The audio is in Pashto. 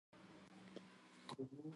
د ټولنې د پرمختګ لپاره تعلیم اړین دی.